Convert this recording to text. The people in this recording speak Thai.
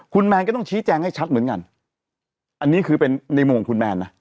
คุณแมนก็ต้องชี้แจงให้ชัดเหมือนกันอันนี้คือเป็นในมุมของคุณแมนนะ